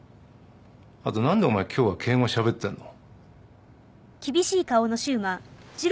後何でお前今日は敬語しゃべってんの？